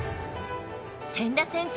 千田先生